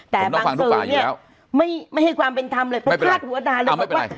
แต่บางซื้อเนี่ยไม่ให้ความเป็นทำเลยเขาพลาดหัวหน่าเลยเขาบอกว่า